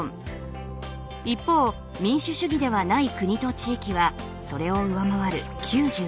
一方民主主義ではない国と地域はそれを上回る９３。